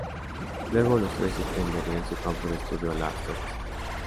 Luego, los tres extenderían su campo de estudio a la astrofísica.